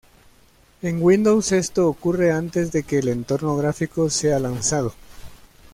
En Windows, esto ocurre antes de que el entorno gráfico sea lanzado.